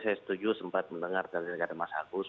saya setuju sempat mendengar dari kata mas agus